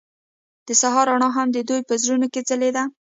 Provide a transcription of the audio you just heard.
د سهار رڼا هم د دوی په زړونو کې ځلېده.